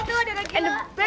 aduh ampun bener bener